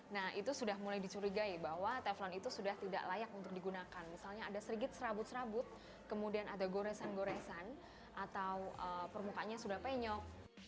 nah itu sudah mulai dicurigai bahwa teflon itu sudah tidak layak untuk digunakan misalnya ada sedikit serabut serabut kemudian ada goresan goresan atau permukaannya sudah penyok